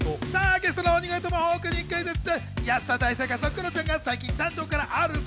ゲストの鬼越トマホークにクイズッス。